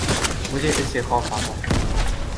مجھے اس سے خوف آتا ہے